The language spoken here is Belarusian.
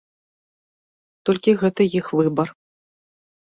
Толькі гэта іх выбар.